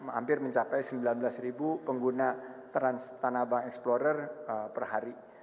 hampir mencapai sembilan belas pengguna tanah abang explorer per hari